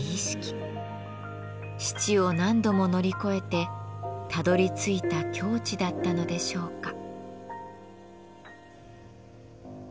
死地を何度も乗り越えてたどりついた境地だったのでしょうか。